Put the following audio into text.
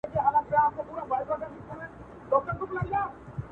په دې خاطر چې زما د درسونو مزاحم نه شي